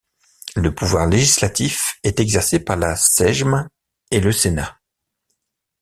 Le pouvoir législatif est exercé par la Sejm et le Sénat.